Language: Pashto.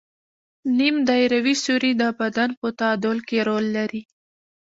نیم دایروي سوري د بدن په تعادل کې رول لري.